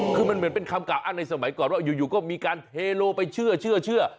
คือมันเหมือนเป็นคำกล่าวอ้างในสมัยก่อนว่าอยู่ก็มีการเทโลไปเชื่อ